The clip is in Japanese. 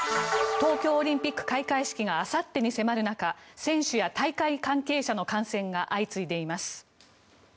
東京オリンピック開会式があさってに迫る中選手や大会関係者の感染が相次いでいます。